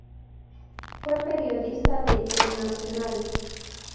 Fue periodista de "El Nacional".